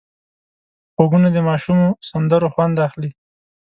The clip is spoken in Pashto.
غوږونه د ماشومو سندرو خوند اخلي